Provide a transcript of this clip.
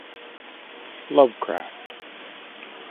Lovecraft.